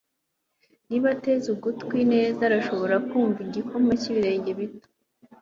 niba ateze ugutwi neza arashobora kumva igikoma cyibirenge bito